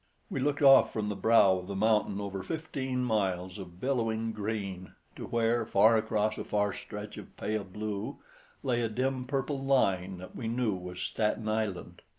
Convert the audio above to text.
We looked off from the brow of the mountain over fifteen miles of billowing green, to where, far across a far stretch of pale blue lay a dim purple line that we knew was Staten Island.